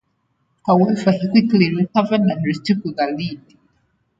However, he quickly recovered and retook the lead.